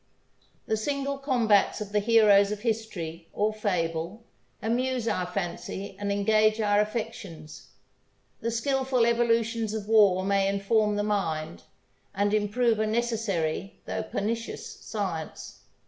The single combats of the heroes of history or fable amuse our fancy and engage our affections; the skilful evolutions of war may inform the mind, and improve a necessary, though pernicious, science.